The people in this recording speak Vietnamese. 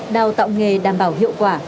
đào tạo nghề đảm bảo hiệu quả